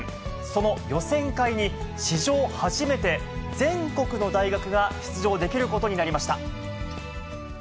その予選会に、史上初めて全国の大学が出場できることになりました。